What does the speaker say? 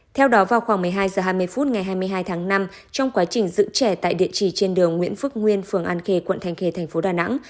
theo đó vào khoảng một mươi hai h hai mươi phút ngày hai mươi hai tháng năm trong quá trình giữ trẻ tại địa chỉ trên đường nguyễn phước nguyên phường an khê quận thanh khê thành phố đà nẵng